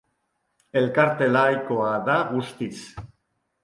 Elkarte laikoa da guztiz.